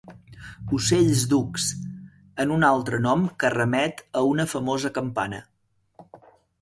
Ocells ducs, en un altre nom que remet a una famosa campana.